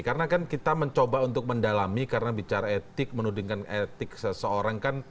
karena kan kita mencoba untuk mendalami karena bicara etik menurunkan etik seseorang kan